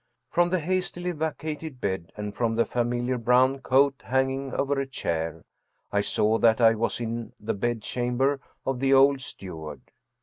From the hastily vacated bed, and from the familiar brown coat hanging over a chair, I saw that I was in the bedchamber of the old stew ard.